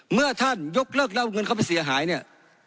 เมื่อท่านยกเลิกแล้วเงินเข้าไปเสียหายเนี่ย